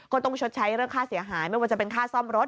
ชดใช้เรื่องค่าเสียหายไม่ว่าจะเป็นค่าซ่อมรถ